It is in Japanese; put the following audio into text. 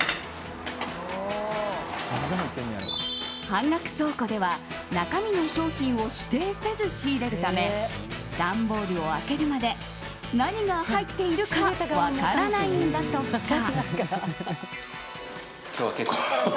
半額倉庫では中身の商品を指定せず仕入れるため段ボールを開けるまで何が入っているか分からないんだとか。